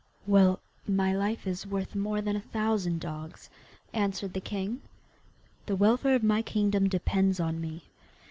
'Well, my life is worth more than a thousand dogs,' answered the king, 'the welfare of my kingdom depends on me.